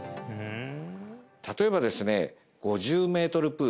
例えばですね５０メートル